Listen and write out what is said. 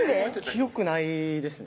記憶ないですね